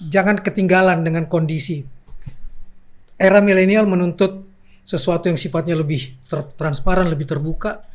jangan ketinggalan dengan kondisi era milenial menuntut sesuatu yang sifatnya lebih transparan lebih terbuka